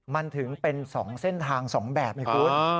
มันถึงเป็น๒เส้นทาง๒แบบไงคุณ